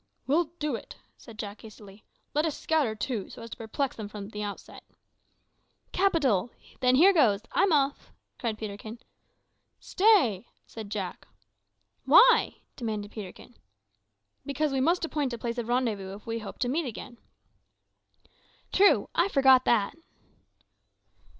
"We'll do it!" said Jack hastily. "Let us scatter, too, so as to perplex them at the outset." "Capital! Then here goes. I'm off," cried Peterkin. "Stay!" said Jack. "Why?" demanded Peterkin. "Because we must appoint a place of rendezvous if we would hope to meet again." "True; I forgot that."